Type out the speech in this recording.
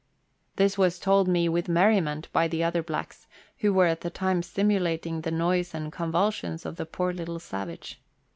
This was told me with merriment by the other blacks, who were at the time simulating the noise and convulsions of the poor little savage.